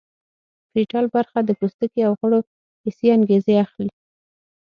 پریټل برخه د پوستکي او غړو حسي انګیزې اخلي